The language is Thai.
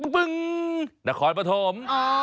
ปึ้งนครปฐม